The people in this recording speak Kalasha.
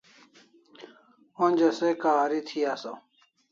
Onja se k'ahari thi asaw